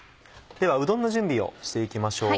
ではうどんの準備をして行きましょう。